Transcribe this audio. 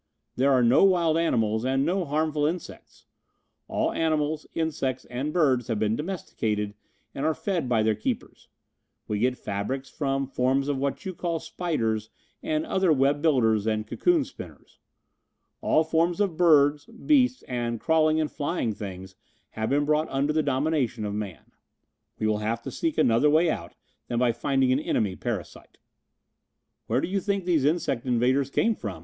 "There are no wild animals, and no harmful insects. All animals, insects and birds have been domesticated and are fed by their keepers. We get fabrics from forms of what you call spiders and other web builders and cocoon spinners. All forms of birds, beasts and crawling and flying things have been brought under the dominion of man. We will have to seek another way out than by finding an enemy parasite." "Where do you think these insect invaders came from?"